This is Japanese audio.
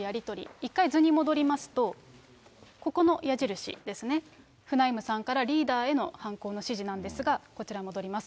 一回、図に戻りますと、ここの矢印ですね、フナイムさんからリーダーへの犯行の指示なんですが、こちら戻ります。